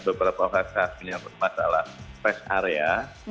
beberapa fasilitas yang menyebut masalah rest area